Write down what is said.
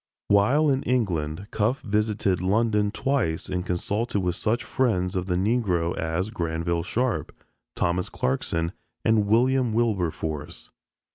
While in England, Cuffe visited London twice and consulted such friends of the Negro as Granville Sharp, Thomas Clarkson and William Wilberforce!